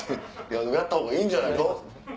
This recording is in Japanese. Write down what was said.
やったほうがいいんじゃないの？